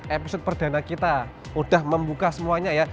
episode perdana kita udah membuka semuanya ya